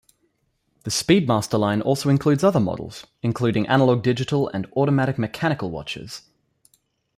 The Speedmaster line also includes other models, including analog-digital and automatic mechanical watches.